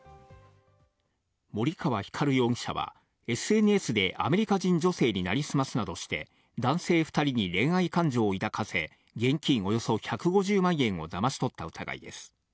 森川光容疑者はＳＮＳでアメリカ人女性になりすますなどして、男性２人に恋愛感情を抱かせ、現金およそ１５０万円をだまし取った疑いです。